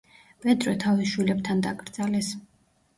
პედრო თავის შვილებთან დაკრძალეს.